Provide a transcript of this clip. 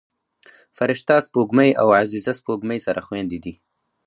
فرشته سپوږمۍ او عزیزه سپوږمۍ سره خویندې دي